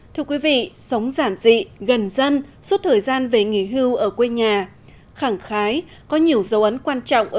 thưa quý vị sống giản dị gần dân suốt thời gian về nghỉ hưu ở quê nhà